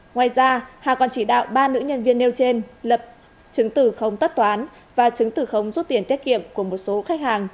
ngoài ra hà còn chỉ đạo ba nữ nhân viên nêu trên lập chứng từ không tất toán và chứng từ khống rút tiền tiết kiệm của một số khách hàng